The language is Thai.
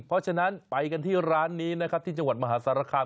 เพราะฉะนั้นไปกันที่ร้านนี้นะครับที่จังหวัดมหาสารคาม